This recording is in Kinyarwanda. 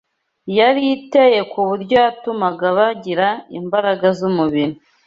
yari iteye ku buryo yatumaga bagira imbaraga z’umubiri